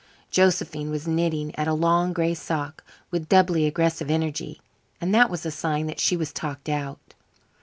Josephine was knitting at a long gray sock with doubly aggressive energy, and that was a sign that she was talked out.